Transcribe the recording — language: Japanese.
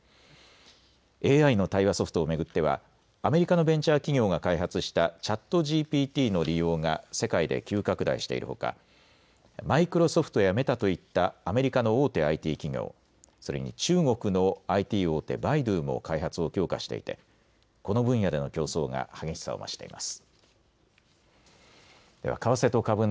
ＡＩの対話ソフトを巡ってはアメリカのベンチャー企業が開発したＣｈａｔＧＰＴの利用が世界で急拡大しているほかマイクロソフトやメタといったアメリカの大手ＩＴ企業、それに中国のＩＴ大手、百度も開発を強化していてこの分野での競争が激しさを増しています。